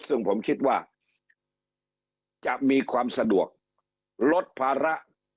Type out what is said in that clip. ซึ่งผมคิดว่าจะมีความสะดวกลดภาระ